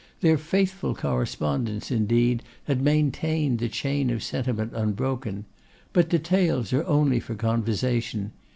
Their faithful correspondence indeed had maintained the chain of sentiment unbroken. But details are only for conversation.